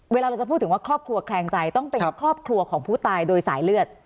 เวลาเราจะพูดถึงว่าครอบครัวแคลงใจต้องเป็นครอบครัวของผู้ตายโดยสายเลือด